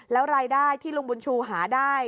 แล้วรายได้ที่ลุงบุญชูหาได้